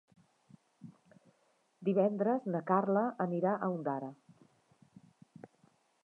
Divendres na Carla anirà a Ondara.